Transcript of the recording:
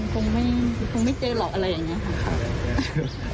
คงไม่เจอหรอกอะไรอย่างนี้ค่ะ